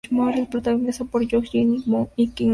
Es protagonizada por Joo Jin Mo y Kim Sa Rang.